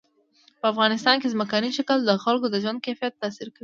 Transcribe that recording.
په افغانستان کې ځمکنی شکل د خلکو د ژوند کیفیت تاثیر کوي.